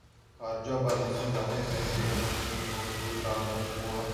خارجہ پالیسی ظاہر ہے کہ متنوع امور کا مجموعہ ہے۔